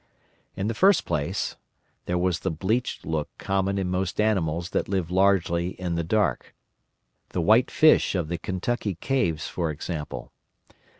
In the first place, there was the bleached look common in most animals that live largely in the dark—the white fish of the Kentucky caves, for instance.